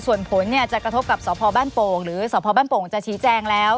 ส่วนผลเนี่ยจะกระทบกับสพบ้านโป่งหรือสพบ้านโป่งจะชี้แจงแล้ว